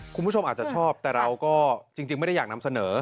คุณผู้ชมอาจจะชอบแต่เราก็จริงไม่ได้อยากนำเสนอ